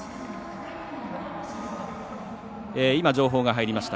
情報が入りました。